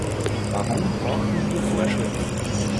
Warum brauchen wir Vorschriften?